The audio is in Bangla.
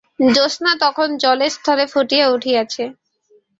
জো্যাৎসনা তখন জলে স্থলে ফুটিয়া উঠিয়াছে।